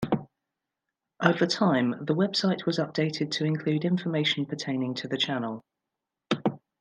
Over time, the website was updated to include information pertaining to the channel.